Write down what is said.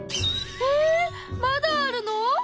えっまだあるの？